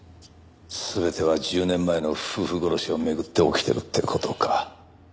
全ては１０年前の夫婦殺しを巡って起きてるって事か。